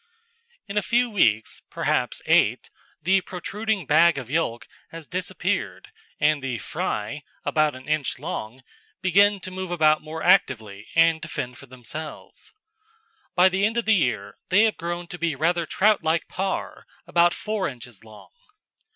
In a few weeks, perhaps eight, the protruding bag of yolk has disappeared and the fry, about an inch long, begin to move about more actively and to fend for themselves. By the end of the year they have grown to be rather trout like parr, about four inches long.